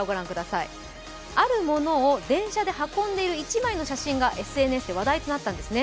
あるものを電車で運んでいる１枚の写真がＳＮＳで話題となったんですね。